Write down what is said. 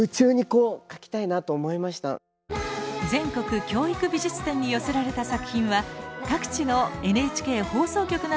全国教育美術展に寄せられた作品は各地のＮＨＫ放送局などで展示します。